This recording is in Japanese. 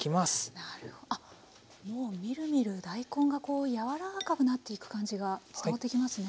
なるほあっもうみるみる大根がこうやわらかくなっていく感じが伝わってきますね。